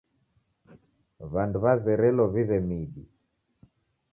W'andu w'azerelo w'iw'e midi.